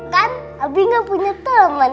kan abi gak punya temen